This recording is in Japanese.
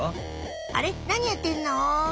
あれ何やってんの？